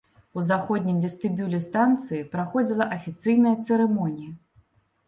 У заходнім вестыбюлі станцыі праходзіла афіцыйная цырымонія.